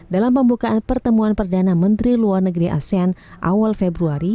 dalam pembukaan pertemuan perdana menteri luar negeri asean awal februari